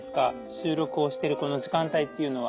収録をしてるこの時間帯っていうのは。